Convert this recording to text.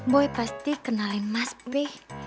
gue pasti kenalin mas be